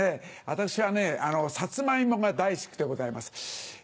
私はサツマイモが大好きでございます。